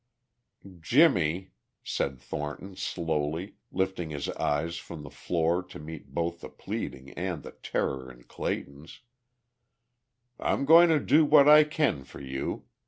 "Jimmie," said Thornton slowly, lifting his eyes from the floor to meet both the pleading and the terror in Clayton's, "I'm going to do what I can for you.